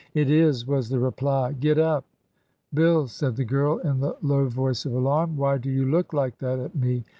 'It is,' was the reply. 'Get up.' ... 'Bill,' said the girl, in the low voice of alarm, 'why do you look like that at me?'